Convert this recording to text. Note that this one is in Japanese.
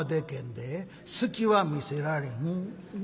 隙は見せられん。